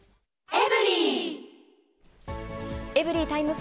エブリィタイム４。